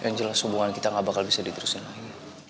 yang jelas hubungan kita gak bakal bisa diterusin lagi